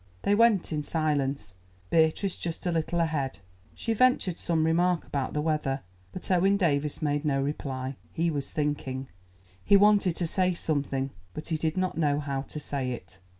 They went in silence, Beatrice just a little ahead. She ventured some remark about the weather, but Owen Davies made no reply; he was thinking, he wanted to say something, but he did not know how to say it.